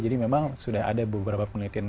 jadi memang sudah ada beberapa penelitian